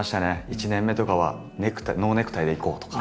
１年目とかはノーネクタイでいこうとか。